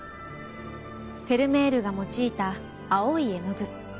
フェルメールが用いた青い絵の具。